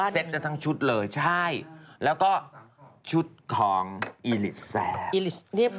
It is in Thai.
๑๐๐คนเสร็จกันทั้งชุดเลยใช่แล้วก็ชุดของอีฬิสแซม